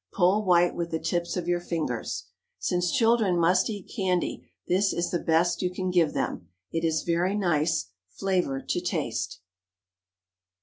Pull white with the tips of your fingers. Since children must eat candy, this is the best you can give them. It is very nice. Flavor to taste.